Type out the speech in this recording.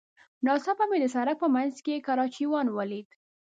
ناڅاپه مې د سړک په منځ کې کراچيوان وليد.